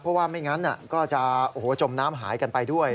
เพราะว่าไม่งั้นก็จะจมน้ำหายกันไปด้วย